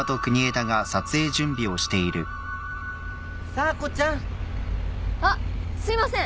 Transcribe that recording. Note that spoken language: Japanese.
査子ちゃん。あっすいません。